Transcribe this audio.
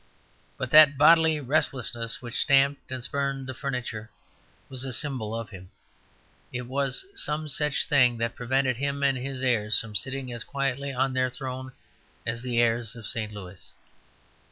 But that bodily restlessness which stamped and spurned the furniture was a symbol of him; it was some such thing that prevented him and his heirs from sitting as quietly on their throne as the heirs of St. Louis.